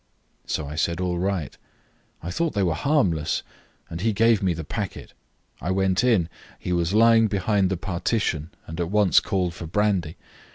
So I said all right. I thought they were harmless, and he gave me the packet. I went in. He was lying behind the partition, and at once called for brandy.